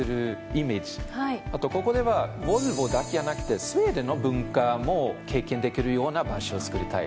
あとここではボルボだけじゃなくてスウェーデンの文化も経験できるような場所をつくりたい。